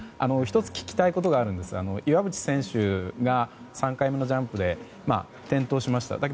１つ聞きたいことがあるんですが岩渕選手が３回目のジャンプで転倒しました。